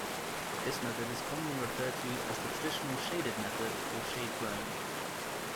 This method is commonly referred to as the traditional shaded method, or "shade-grown".